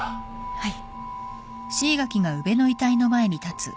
はい。